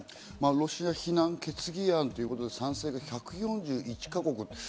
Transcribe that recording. ロシア非難決議案ということで賛成が１４１か国。